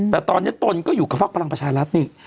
แต่ตอนยตนก็อยู่กับปรังประชารัฐนี้